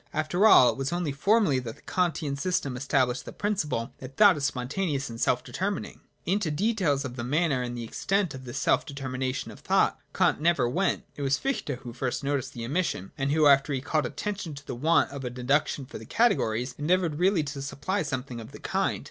(2) After all it was only formally, that the Kantian system established the principle that thought is spontaneous and self determining. Into details of the manner and the extent of this self determination of thought, Kant never went. It was Fichte who first noticed the omission ; and who, after he had called attention to the want of a deduction for the categories, endeavoured really to supply something of the kind.